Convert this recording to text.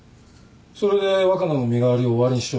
それで若菜の身代わりを終わりにしようってこと？